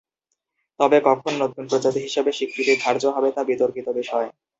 তবে কখন নতুন প্রজাতি হিসাবে স্বীকৃতি ধার্য হবে তা বিতর্কিত বিষয়।